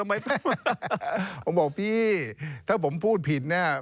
ผมบอกพี่ถ้าผมพูดผิด